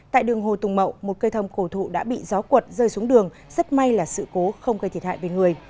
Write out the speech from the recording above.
tại đường hồ tùng mậu một cây thông cổ thụ đã bị gió cuột rơi xuống đường rất may là sự cố không gây thiệt hại về người